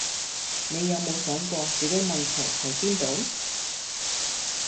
你有無想過自己問題係邊度？